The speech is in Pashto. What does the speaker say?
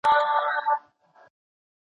هغه تیزس چي شاګرد یې لیکي د هغه مسؤلیت دی.